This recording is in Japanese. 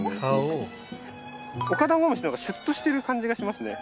オカダンゴムシの方がシュッとしてる感じがしますね。